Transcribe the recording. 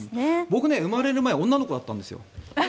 僕ね、生まれる前は女の子だったんですよ。